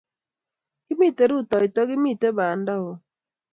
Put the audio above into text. Kimite rutoito, kimitei banda o